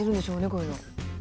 こういうの。